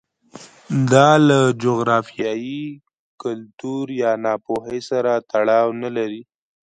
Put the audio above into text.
دا له جغرافیې، کلتور یا ناپوهۍ سره تړاو نه لري